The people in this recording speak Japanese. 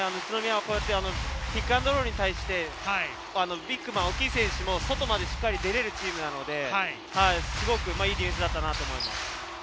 こうやってピックアンドロールに対して、ビッグマン、大きい選手を外までしっかり出られるので、すごくいいディフェンスだったんだと思います。